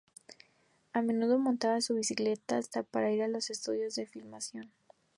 A menudo monta su bicicleta para ir hasta los estudios de filmación.